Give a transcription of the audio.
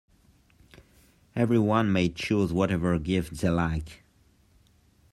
Everyone may choose whatever gift they like.